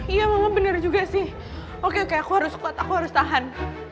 iya mama bener juga sih oke aku harus kuat aku harus tahan